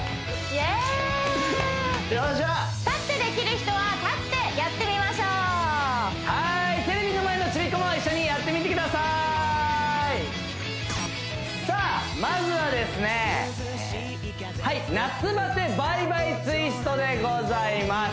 イエーイ立ってできる人は立ってやってみましょうはーいテレビの前のちびっこも一緒にやってみてくださいさあまずはですねはい夏バテばいばいツイストでございます